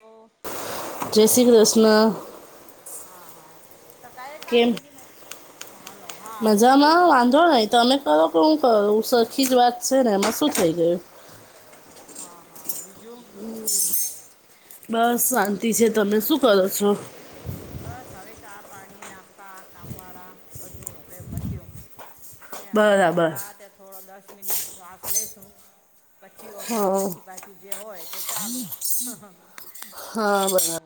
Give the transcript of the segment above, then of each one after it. ઓ જય શ્રી કૃષ્ણ હા હા તો કહે કને કેમ કેડી [inaudible] હલો હા બીજું બોલો [inaudible] એ તો અમે કર [inaudible] [unintelligible] કે શું કર સરખી જ વાત છે ને એમાં શું થઈ ગયું હા હા બીજું [unintelligible] બસ શાંતિ છે તમે શું કરો છો બસ હવે ચા પાણી નાસ્તા કામવાળા બધું હવે પત્યું ને હવે બરાબર નિરાતે થોડો દસ મિનિટ શ્વાસ લેશુ પછી ઓ હા પછી પાછું જે હોય તે ચાલુ [unintelligible] હા ઓ બરાબર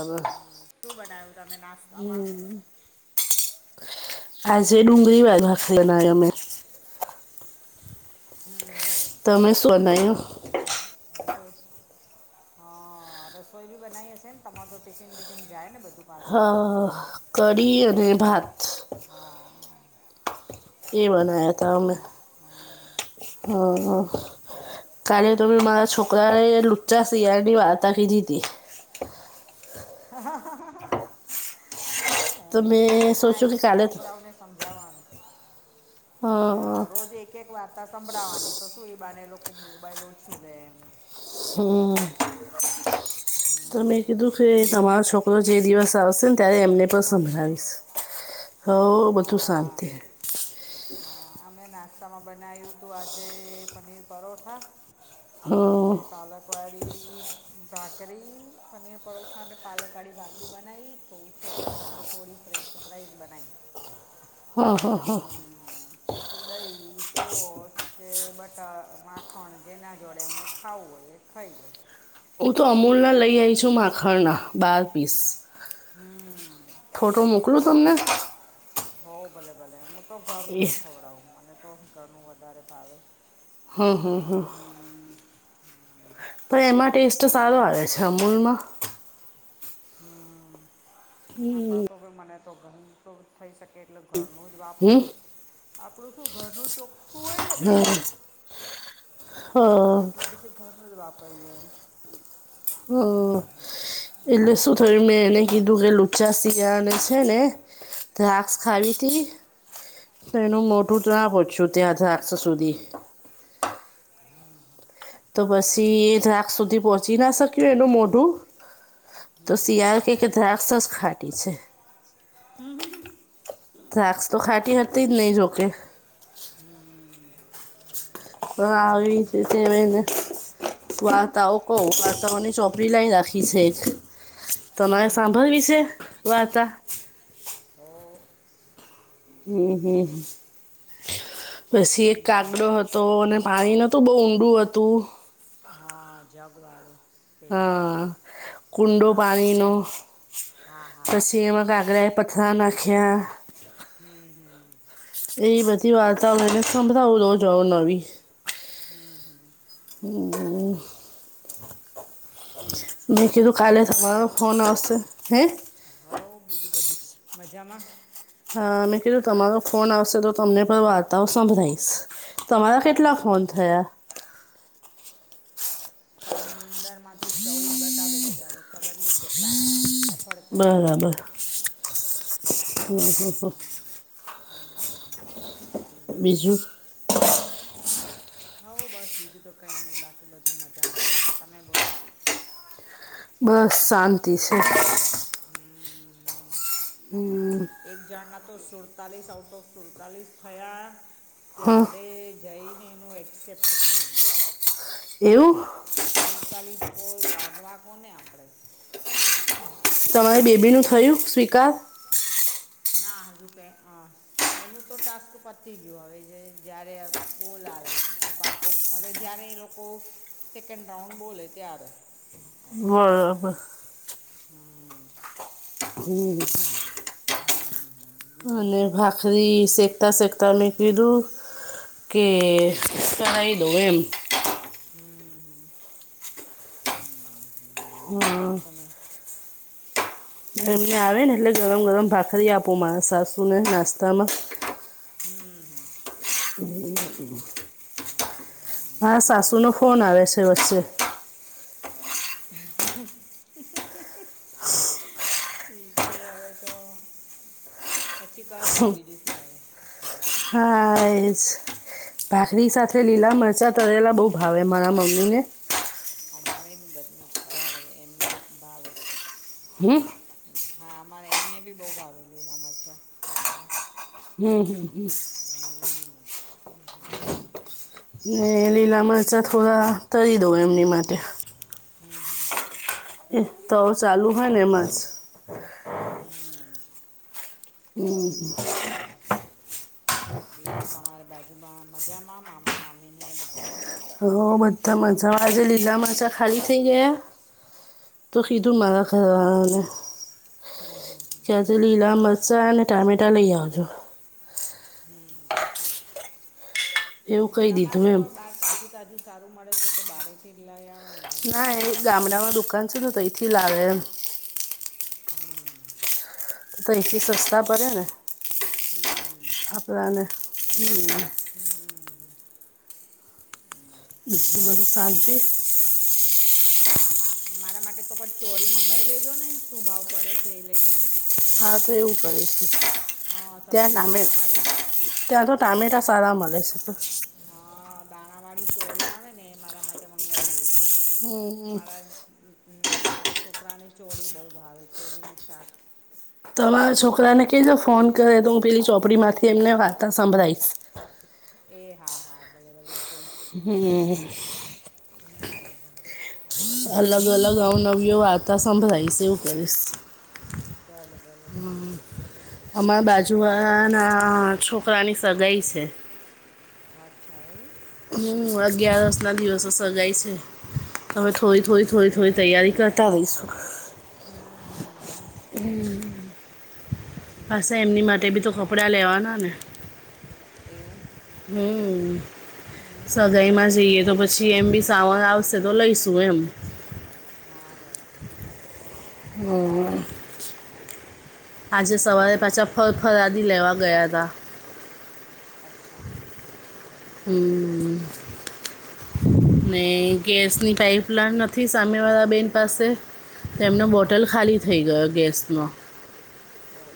હબ [inaudible] શું બનાવું તમે નાસ્તા માં આજે ડુંગરી વારી ભાખ બના અમે હમ હમ તમે સોનાયુ [inaudible] હહ રસોઈ બી બનાઈ હશેને તમાર તો ટિફિન બીફિન જાય ને બધું પાછું હહ કડી અને ભાત હહ અ એ બનાયા તા એવું અમે ને હમ, હહ કાલે તો મેં ઠીક. મારા છોકરાને લુચ્ચા શિયાળની વાર્તા કીધીતી. હા હ હ હ હા તો ને મેં હા સોચ્યું કે એવું તો કાલે છોકરાઓને સમજાવાનું. હ હા રોજ એક એક વાર્તા સંભળાવાની તો શું એ બાને એ લોકો મોબાઈલ ઓછું લે એમ. હમ ત મેં હમ, કીધું કે બીજું તમારો છોકરો જે દિવસ આવશે ને ત્યારે બીજું એમને બધું પણ શાંતિ સંભળાવીશ. હો બધું હા શાંતિ હ હા અમે નાસ્તામાં બનાયું તું આજે પનીર પરોઠા. ને હા પાલક વાળી ભાખરી અને પરોઠા અને પાલકવાળી ભાખરી બનાઈ તો હું છોકરાઓ માટે થોડી ફ્રેન્ચ ફ્રાઈસ બનાઈ. હા હા હમ પછી દહીં, સોસ કે બટર, માખણ જેના જોડે એમને ખાવું હોય એ ખઈ લે. હું તો અમૂલના લઈ આઈ છુ માખણના બાર પીસ. હમ ફોટો મોકલું તમને? હોવ ભલે ભલે હું તો ઘરનું એ જ ખવડાવું મને તો ઘરનું વધારે ભાવે. હહ હહ હહ હમ પણ એમાં ઠીક ટેસ્ટ સારો બીજું આવે છે અમૂલમાં. હમ ના પણ તોભી મને તો ઘરનું તો થઈ શકે એટલે ઘરનું જ હમ વાપરું. આપણું શું ઘરનું ચોખ ખુ હોય ને બધું હ હ એટલે પછી ઘરનું જ વાપરીએ એમ હમ હમ. એટલે શું થયું મેં એને કીધું કે લુચ્ચા શિયાળને છે ને દ્રાક્ષ ખાવીતી તો એનું મોઢું ટ્રા પહોંચ્યું ત્યાં દ્રાક્ષ સુધી હમ તો પસી એ દ્રાખ સુધી પહોંચી ના શક્યું એનું મોઢું તો હમ શિયાળ કે કે દ્રાક્ષસ ખાટી છે. હમ હ હ દ્રાક્ષ તો ખાટી હતી જ નહી જોકે હમ હહ આવી છે સેમ એને વાર્તાઓ કો વાર્તાઓની ચોપડી લઈ રાખી છે. તમારે હમ સાંભળવી છે વાર્તા? હો હમ હમ પસી એક હમ કાગડો હતો અને પાણી નતુ બહુ ઊંડું હતું. હા જગવાળો પેલો હા કુંડો હા હા પાણીનો હા હા પસી જેમાં કાગડાએ પથ્થરા નાખ્યા. હમ હમ એ વાધી વાત એને સમભળું હું અવનવી હમ હમ. હમ હમ. ઠીક છે મેં કીધું બીજું કાલે બધું તમારો મજામાં. ફોન આવશે હે હવ બીજું બધું છે મજામાં. હા મેં કીધું તમારો ફોન આવશે તો તમને પણ વાર્તાઓ સંભળીશ. તમારા હમ કેટલા હમ ફોન થયા. પંદરમાંથી ચૌદ બતાવે જ છે હવે ખબર નહીં કેટલા સફળ થયા. ખબ [inaudible] હ. હમ હમ. બીજું? હઉ બસ બીજું તો કંઈ નહીં બાકી બધું મજા મજામાં તમે બોલો. બસ શાંતિ છે. હમ હમ હમ. હમ. એક જણના તો સુડતાલીસ આઉટ ઓફ સુડતાલીસ થયા. હા ત્યારે જઈને એનું એક્સેપ્ટ થયું. એવું? સુડતાલીસ કોલ કાઢવા કો ને આપડે. તમારી બેબી નું થયું સ્વીકાર? ના હજુ કાય અ. એનું તો ટાસ્ક પતી ગયું હવે જે જયારે બોલ આવે વાપસ હવે જ્યારે એ લોકો સેકન્ડ રાઉન્ડ બોલે ત્યારે બરાબર. હમ. હમ હમ બીજું અને [unintelligible] ભાખરી સેકતા સેકતા મે કીધું. કે કરાઈ દવ એમ હમ હમ હ બીજું હા તમે એમને આવે ને એટલે ગરમ ગરમ ભાખરી આપો મારા સાસુને નાસ્તામાં. હમ હમ. હમ. હમ. હા, બીજું સાસુનો બધું ફોન આવે છે વચ્ચે. ઠીક છે, હવે તો પછી કાર જો બીજું શું આવે? હા, હમ ભાખરી હમ સાથે લીલા મરચાં તળેલા બઉુ ભાવે મારા મમ્મી ને. અમારે બી બધાને ભાવે એમને બધા ભાવે. હમ. હા, અમારે એમને બી બહુ ભાવે. લીલા મરચાં તળીને હમ, હમ, હમ. હમ ને લીલા બીજું મરચાં થોડા તરી દેવા, એમની માટે હમ, હમ. એ તો ચાલુ હોયને માસ હમ. હા હમ. હા હા બીજું તમારી બાજુમાં મજામાં મામા- મામીને બધા? હ, બધા મજા. આજે લીલા મરચા ખાલી થઇ ગયા. તો હમ કીધું મારા ઘરવાળાને. હમ, હમ. ત્યાંથી લીલા મરચાઅને ટામેટા લઈ આવજો. હમ. એવું હમ, કહી તમારે દીધું તો એમ પણ બાર તાજુ તાજુ સારું મળે છે, તો બાર થી લઈ આવે. ને ના એ ગામડામાં દુકાન છે, ને તો એથી લઈ આવેે એમ. હમ. તો અહીથી રસ્તા પરે ને, હમ આપડાને હ. હમ. એ ત બીજું બધું શાંતિ [unintelligible] હા હા, મારા માટે તો પણ ચોરી મંગાવી લેજો ને. શું ભાવ પડે છે એ લઈને. હા તો એવું ચોરી સારી. કરીશું હા, ત્યાં સરસ ટામે દાણાવાળી. ત્યાં તો ટામેટા સારા મળે છે. હા, દાણા વાળી ચોરી આવે ને, મારા માટે મંગાવી લેજો. હમ્મ. મારા મારા છોકરાની ચોળી બહુ ભાવે, ચોળીનું શાક. તમારા એવું મ છોકરાને કે જો ફોન કરે તો હું પેલી ચોપડી માંથી એમને વાર્તા સંભળીશ. એ હા હા, બરાબર એ કંઈ હમ. હમ, અલગ અલગ બીજું બધું અવનવી્ય વાર્તા સંભળાઈ એવું કરીશ. ભલે ભલે. અમારા બાજુ ના છોકરાની સગાાઈ છે. અચ્છા. હમ, અગિયારસ ના દિવસો સજાય છે. હમે થોડી થોડી થોડી થોડી તૈયારી કરતા રહીશું. હમ. હમ. હ પાસે એમની માટે બી તો કપડાં લેવાના ને. એવું. હમ, સગાઈમાં હમ, જઈએ તો પછી એમ બી સાવન આવશે. તે તો લઈ શું એમ? હા, બરાબર. હ. આજે સવારે પાછા ફ ફરાદી લેવા ગયા હતા. અચ્છા. હમ ને સરસ હા ગેસની પાઇપલાઇન. થી સામેવાળા બેહેન પાસે તેમનો હા બોટલ ખાલી થઈ ગયો ગેસનો. હમ.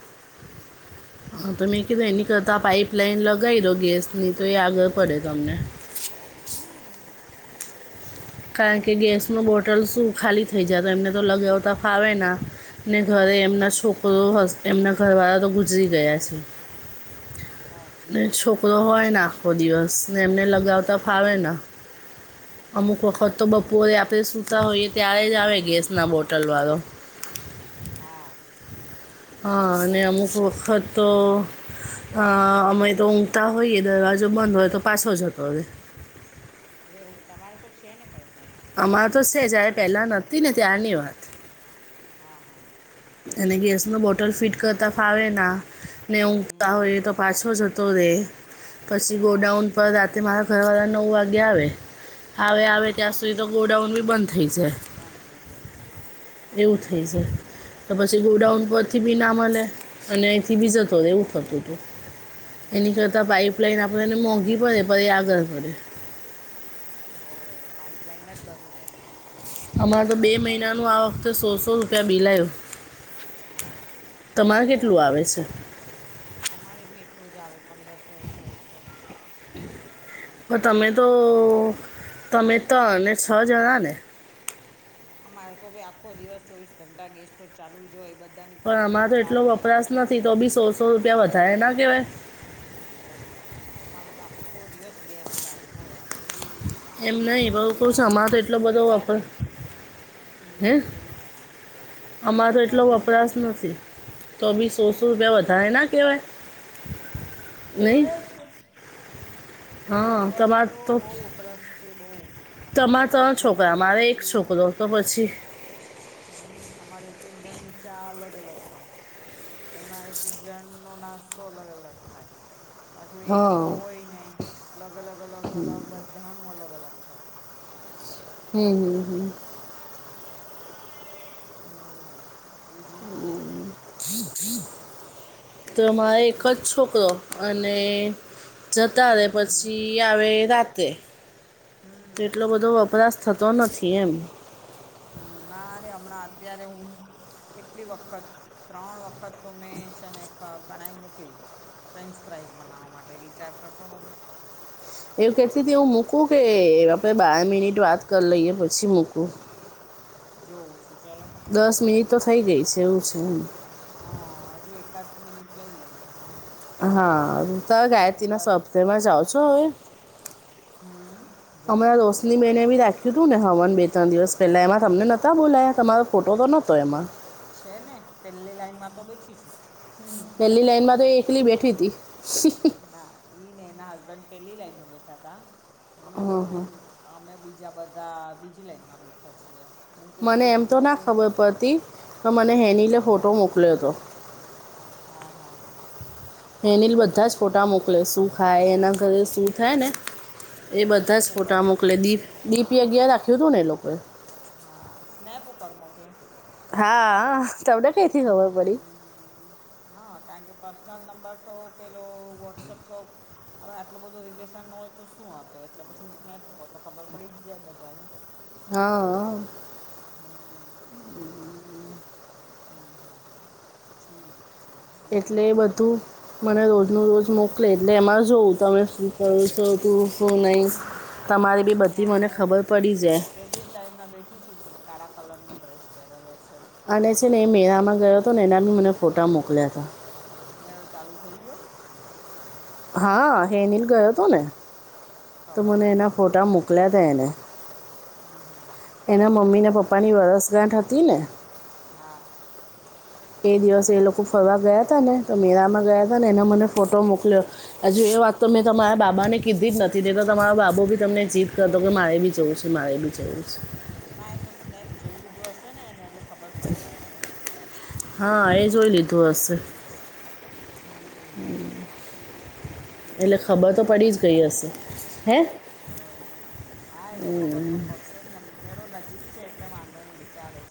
હા તો મેં કીધું એની કરતા પાઈપ લઇન લગાવી દો ગેસની તો એ આગળ પડે તમને. હમ. કારણ કે ગેસનું બોટલ શું ખાલી થઈ જાય તો એમને તો લગાવતા ફાવે ના. ને ઘરે એમના હમ છોકરો હ એમના ઘરવાળા તો ગુજરી ગયા છે. અચ્છા ને છોકરો હોય ને આખો દિવસ ને એમને લ. ઉગાવતા ફાવે હમ હમ હમ અમુક વખત હમ તો બપુઓરે આપ. આપણે સૂતા હોઈએ ત્યારે જ આવે ગેસના બોટલવાળો. હા. હા અને અમુક વખત તો. અ અમે તો ઊંઘતા હોઈએ દરવાજો બંધ હોય તો પાછો જતો હોય એવું તમારે તો છે ને પાઇપલાઇ. અમારે તો છે જારે પહેલા નથીતી ને ત્યારની વાત. હા હા. એટલે ગેસ ન બોટલ ફિટ કરતા ફાવે ના ને ઊઘતા હમ હોય તો પાછો જતો રે પછી હા ગોડાઉન પર રાતે મારા ઘર વાળા નવ વાગ્યા આવે. આવે હમ ત્યાં સુધી તો ગોડાઉન બી બંધ થઈ જાય બંધ થઈ જાય. એવું થઇ જાય. તો પછી હમ ગોડાઉન હમ પરથી બી ના મળે, અને અહીથી બી જતો રહે એવું થતું. હમ એની હમ કરતા પાઈપલાઈન આપે એને મોંઘી પડે પ એ આગળ પડે. પાઈપલાઇન જ બરોબર છે. મને અમારે તો બી બે પાઇપલાઇન મહિનાનું જ આ વખતે સોસો રૂપિયા બિલ આવ્યું. હા હા હા તમારે તો કેટલું સારું આવે છે. અમારે બી એટલું જ આવે પંદરસો સોળસો પણ તમે તો તમે તો ત્રણ અને છ જણા ને અમારે તો ભાઈ આખો દિવસ ચોવીસ ઘંટા ગેસ સોર ચાલુ જોઈ એ બધા પણ આમારો તો એટલો વપરાશ નથી તો બી સોસો રૂપિયા વધારે ના કેવાય. મારે તો આખો દિવસ ગેસ ચાલુ હોય આ દૂધ એમ ચા નહીં પણ કહું છું નાસ્તા અમારે એ તો કે એટલો બધો બધાની. વપરાશ હે હમ તો તમને અમારો એટલો ભાવ્યું વપરાશ નથી. તો બી સોળસો રૂપિયા વધારે ના કેવાય કેવાય હ હા અમારે તમાર તો બહ વપરાશ છે બહ. તમારા ત્રણ છોકરા મારે એક છોકરો તો પછી હમ અમારે એક એક જણ ની ચા અલગ અલગ થાય. એમાં એક એક જણ નો નાસ્તો અલગ અલગ થાય. પાછું એક હા તો હોય નય અલગ અલગ અલગ અલગ બધાનું અલગ અલગ થાય હમ હમ હમ. હમ. તો મારે એક જ છોકરો. અને જતા રહે પછી આવે રાત્રે. હમ. તો એટલો બધો વપરાશ થતો નથી એમ. હમ નારે હમણાં અત્યારે હું કેટલી વખત ત્રણ વખત તો મેં છેને કણાઈ મૂકી. ફ્રેન્ચ ફ્રાઈઝ બનાવવા માટે વિચાર કરશો તમે એવું કેતીતી હું મૂકું કે આપડે બાર મિનિટ વાત કરી લઈએ પછી મૂકું. જોઉં છું ચલો દસ મિનિટ તો થઇ ગઈ છે એવું છે. હા હજુ એકાદ મિનિટ લઈ લઈએ એટલે હા હમ ગાયત્રીના બસ સોપ્તેમાં જાઓ છો હવે. હમ અમણા જઈએ ને રોશની મેને ભી રાખી. કીધું ને હવાન બે ત્રણ દિવસ પહેલાં એમાં તમને નહોતા બોલાયા તમારો ફોટો તો નહોતો એમાં. છે ને પેલી લાઈનમાં તો બેઠી છું હમ. પહેલી લાઈન માં તો એકલી બેઠી હતી. ના એ ને એના હસબન્ડ પહેલી લાઈનમાં બેઠા હતા હું. અમે બીજા બધા બીજી લાઈનમાં બેઠા છીએ. હું પહેલી મને એમ તો લાઈનમાં પે ના ખબર પડતી તો મને હેનીલે ફોટો મોકલ્યો હતો. હમ, હા હા હા. હેનીલ બધા જ ફોટા મોકલે શું ખાય એના ઘરે શું થાય ને. એ બધા જ સ્નેપ ઉપર ફોટા મોકલે ડીપી અગયાર રાખ્યું હતું ને એ લોકોએ. હા સ્નેૅપ પર મોકલો. હા. તમને કઈથી ખબર પડી હમ. હા કારણ કે પર્સનલ નંબર તો પહેલો વોટ્સઅપ તો. અરે આટલું બધું રિલેશન હોય તો શું આપે એટલે પછી સ્નેપ તો ખબર પડી જ જાય બધાને. હા. હમ. હમ હમ ઠીક છે બીજું એટલે એ બધું મજ. મને રોજનું રોજ મોકલે એટલે એમાં જોવં તમે. તું કહું છું તું શું નહીં તમારે બી બધી ના મને હું ખબર પડી જાય. પહેલી જ લાઈનમાં બેઠી. શું કાળા કલરનોો ડ્રેસ પહેરેલો છે. અને છે ને એ મેરાામાં ગયો હતો ને એના બી મને ફોટા મોકલ્યા હતા. મેળો ચાલુ થઈ ગયો. હા હેનિલ ગયો હતો ને તો ખબર મને નથી એના હ ફોટા મૂક. મોકલ્યા હતા એને એના મમ્મી ને પપ્પા ની વરસગાંઠ હતી ને. હા. એ દિવસે એ લોકો ફરવા ગયા હતા ને તો મેરાામાં ગયા હતા ને એનો મને ફોટો મોકલ્યો. હજુ એ વાત તો મેં તમારા બાબા ને કીધી જ નથી દેતા તમારા બાબુ બી તમને જીદ કરતો કે મારે બી જવું છે મારે બી. જીસ. ના એ તો સ્નેપ જોઈ લીધો હશે નેને એટલે ખબર પડી જ હશે. હા એ જોઈ લીધું હશે. હ. હમ હ ઠીક છે બીજ એટલે બધું ખબર તો પડી મજામાં. જ ગઈ હશે હે હ હા એ તો ખબર તો. પડશે જને મેળો નજીક છે એટલે વાંધો નહીિ ચાલે છે.